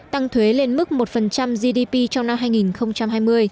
tăng thuế lên mức một gdp trong năm hai nghìn hai mươi